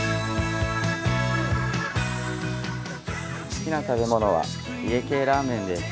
好きな食べ物は家系ラーメンです。